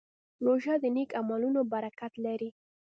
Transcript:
روژه د نیک عملونو برکت لري.